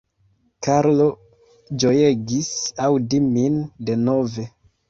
Karlo ĝojegis aŭdi min denove.